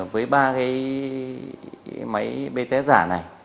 với ba cái máy bts giả này